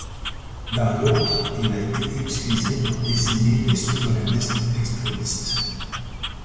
Dans l'autre, il a été utilisé pour désigner des souverainistes extrémistes.